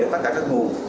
tất cả các nguồn